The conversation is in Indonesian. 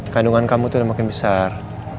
kandungan kamu tuh udah makin besar